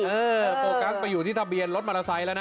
เออโต๊ะกั้งไปอยู่ที่ทะเบียนรถเมาส์ไซแล้วน่ะ